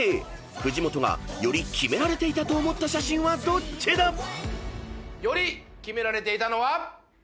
藤本がよりキメられていたと思った写真はどっちだ⁉］よりキメられていたのは。